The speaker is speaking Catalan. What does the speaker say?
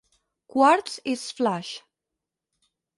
Quartz i Sflash.